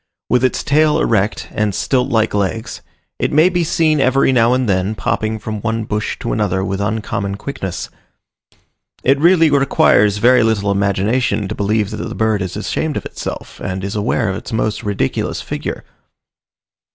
With its tail erect, and stilt like legs, it may be seen every now and then popping from one bush to another with uncommon quickness. It really requires little imagination to believe that the bird is ashamed of itself, and is aware of its most ridiculous figure.